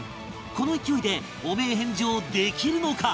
この勢いで汚名返上できるのか？